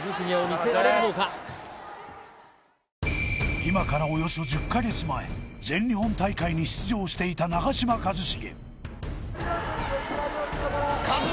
今からおよそ１０か月前全日本大会に出場していた長嶋一茂